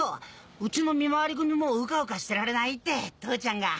うちの見廻組もウカウカしてられないって父ちゃんが。